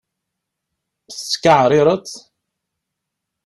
Tettkaɛrireḍ?